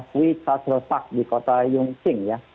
hui sha shou sha di kota yunqing ya